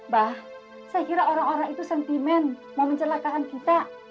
bah saya kira orang orang itu sentimen mau mencelakakan kita